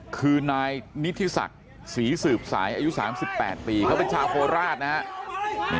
คือนายนิธิศักดิ์ศรีสืบสายอายุ๓๘ปีเขาเป็นชาวโคราชนะครับ